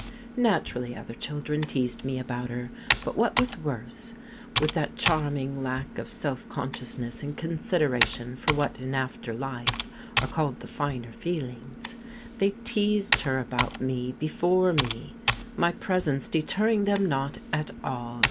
Naturally other children teased me about her; but what was worse, with that charming lack of self consciousness and consideration for what in after life are called the finer feelings, they teased her about me before me, my presence deterring them not at all.